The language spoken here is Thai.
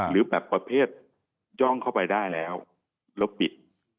หรือแบบประเภทย่องเข้าไปได้แล้วแล้วปิด